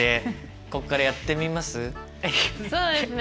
そうですね。